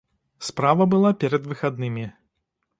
Справа была перад выхаднымі.